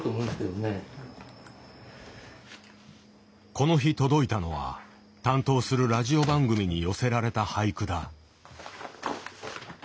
この日届いたのは担当するラジオ番組に寄せられた俳句だ。